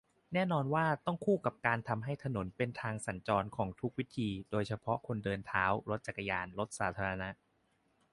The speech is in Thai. แน่นอนว่าต้องคู่กับการทำให้ถนนเป็นทางสัญจรของทุกวิธี โดยเฉพาะคนเดินท้า จักรยาน รถสาธารณะ